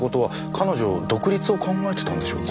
彼女独立を考えてたんでしょうか？